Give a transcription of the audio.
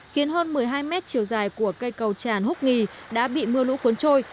khiến hơn một mươi hai mét chiều dài của cây cầu tràn húc nghì đã bị mưa lũ cuốn trôi